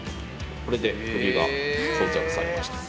これで首が装着されました。